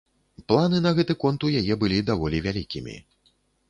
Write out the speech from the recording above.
Планы на гэты конт у яе былі даволі вялікімі.